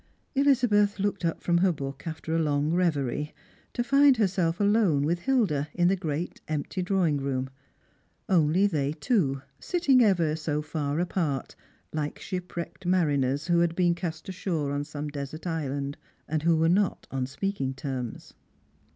Elizabeth looked up from her book after a long reverie, to find herself alone with Hilda in the great empty drawing room ; only they two, sitting ever so far apart, like shipwrecked mariners who had been cast ashore on some desert island, and who were not on speaking terms.